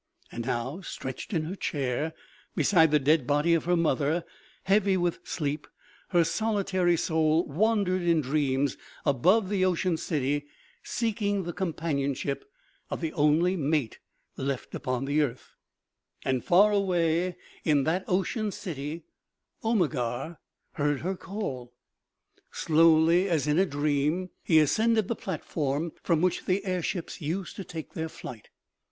And now, stretched in her chair beside the dead body of her mother, heavy with sleep, her solitary soul wandered in dreams above the ocean city, seeking the companionship of the only mate left upon the earth. And far away, in that ocean OMEGA. 255 Py G. Rochtgrosse. " SHK FELT THAT ANOTHKK HEARD AND UNDERSTOOD." 2 5 6 OMEGA . city, Omegar heard her call. Slowly, as in a dream, he ascended the platform from which the air ships used to take their flight.